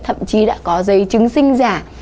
thậm chí đã có giấy chứng sinh giả